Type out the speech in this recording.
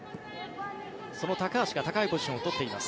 その高橋が高いポジションを取っています。